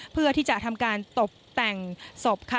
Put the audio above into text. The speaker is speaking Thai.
เพื่อที่จะทำการตกแต่งศพค่ะ